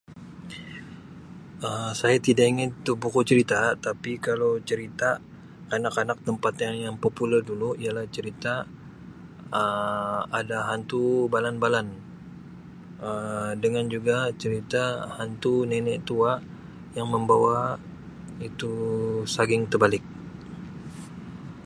Um Saya tidak ingat tu buku cerita tapi kalau cerita kanak-kanak tempatan yang popular dulu ialah cerita ada hantu balan-balan Um dengan juga cerita hantu nenek tua yang membawa itu saging tebalik.